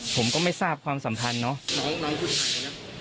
ผมก็ไม่ทราบความสัมพันธ์เนาะ